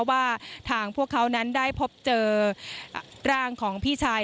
ว่าทางพวกเขานั้นได้พบเจอร่างของพี่ชาย